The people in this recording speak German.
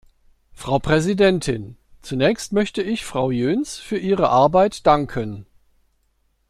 Frau Präsidentin! Zunächst möchte ich Frau Jöns für ihre Arbeit danken.